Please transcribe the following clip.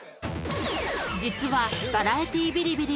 ［実は］